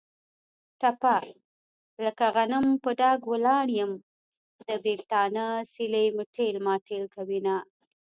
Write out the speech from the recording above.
ټپه: لکه غنم په ډاګ ولاړ یم. د بېلتانه سیلۍ مې تېل ماټېل کوینه.